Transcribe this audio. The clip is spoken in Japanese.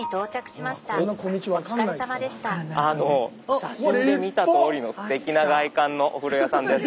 写真で見たとおりのすてきな外観のお風呂屋さんです。